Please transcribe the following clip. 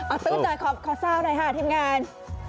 อ่าตื้ดเลยขอซ่าวหน่อยฮะทีมงาน